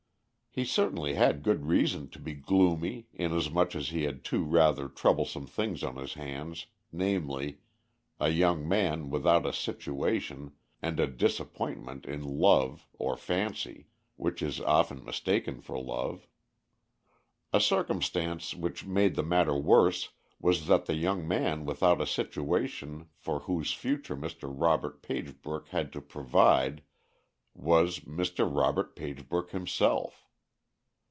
He certainly had good reason to be gloomy, inasmuch as he had two rather troublesome things on his hands, namely, a young man without a situation and a disappointment in love, or fancy, which is often mistaken for love. A circumstance which made the matter worse was that the young man without a situation for whose future Mr. Robert Pagebrook had to provide was Mr. Robert Pagebrook himself.